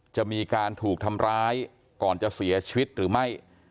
จะมีการถูกทำร้ายก่อนจะเสียชีวิตหรือไม่